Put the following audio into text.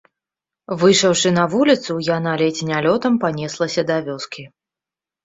Выйшаўшы на вуліцу, яна ледзь не лётам панеслася да вёскі.